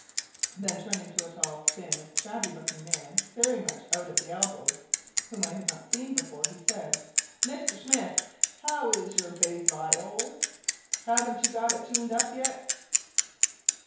Then turning to a tall, thin, shabby looking man, very much out at the elbows, whom I had not seen before, he said "Mr. Smith, how is your base viol? Hav'nt you got it tuned up yet?"